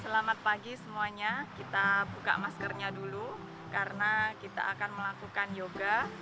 selamat pagi semuanya kita buka maskernya dulu karena kita akan melakukan yoga